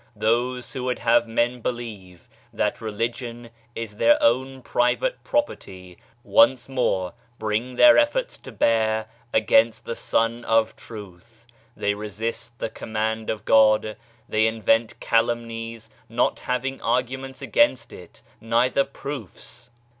Those who would have men believe that religion is their own private property once more bring their efforts to bear against the Sun of Truth : they resist the Command of God ; they invent calumnies, not hav ing arguments against it, neither proofs.